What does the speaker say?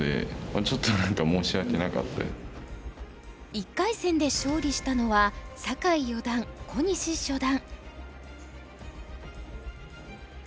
１回戦で勝利したのは酒井四段小西初段。